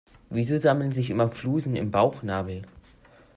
Wieso sammeln sich immer Flusen im Bauchnabel?